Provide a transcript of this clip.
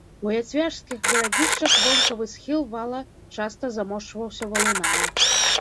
У яцвяжскіх гарадзішчах вонкавы схіл вала часта замошчваўся валунамі.